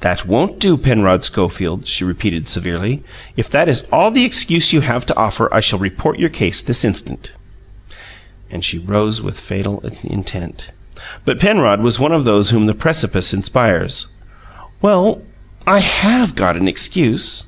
"That won't do, Penrod Schofield," she repeated severely. "If that is all the excuse you have to offer I shall report your case this instant!" And she rose with fatal intent. But Penrod was one of those whom the precipice inspires. "Well, I HAVE got an excuse."